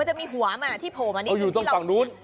จะมีหัวมันที่โผล่มานี่อยู่ข้างด้านนู้น